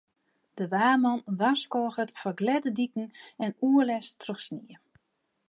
De waarman warskôget foar glêde diken en oerlêst troch snie.